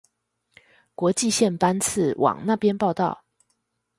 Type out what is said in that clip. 國際線班次往那邊報到